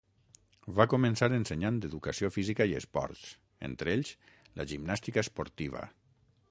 Va començar ensenyant educació física i esports, entre ells la gimnàstica esportiva.